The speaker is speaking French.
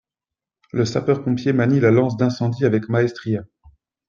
Le sapeur pompier manie la lance d'incendie avec maestria